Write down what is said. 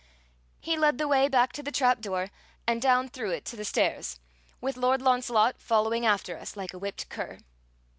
He led the way back to the trapdoor, and down through it to the stairs, with Lord Launcelot following after us like a whipped cur.